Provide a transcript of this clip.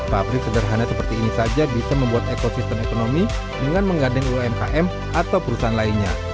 pabrik sederhana seperti ini saja bisa membuat ekosistem ekonomi dengan menggandeng umkm atau perusahaan lainnya